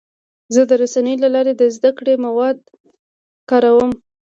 زه د رسنیو له لارې د زده کړې مواد کاروم.